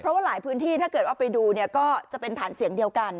เพราะว่าหลายพื้นที่ถ้าเกิดว่าไปดูเนี่ยก็จะเป็นฐานเสียงเดียวกัน